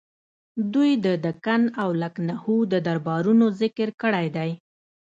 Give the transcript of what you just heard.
دوی د دکن او لکنهو د دربارونو ذکر کړی دی.